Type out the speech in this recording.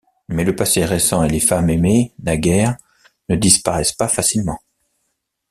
Mais le passé récent et les femmes aimées naguère ne disparaissent pas facilement.